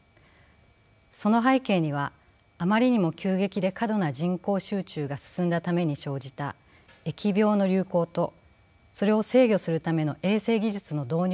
その背景にはあまりにも急激で過度な人口集中が進んだために生じた疫病の流行とそれを制御するための衛生技術の導入がありました。